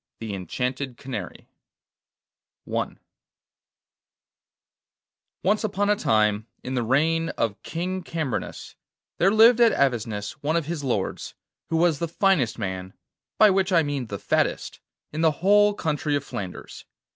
THE ENCHANTED CANARY I Once upon a time, in the reign of King Cambrinus, there lived at Avesnes one of his lords, who was the finest man—by which I mean the fattest—in the whole country of Flanders.